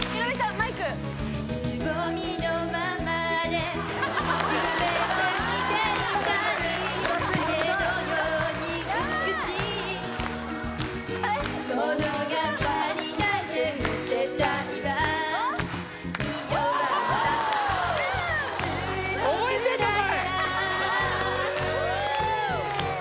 マイク覚えてんのかい！